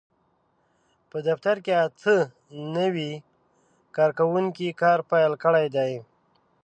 په دفتر کې اته نوي کارکوونکي کار پېل کړی دی.